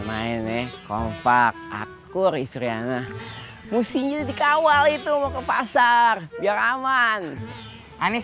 kemahin kompak aku rizri ana musiknya dikawal itu mau ke pasar biar aman aneh siap mengawal bang abang jaga gerbang sini ya